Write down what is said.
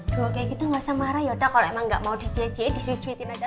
duh kayak gitu ga usah marah yaudah kalo emang ga mau dicecie disuit suitin aja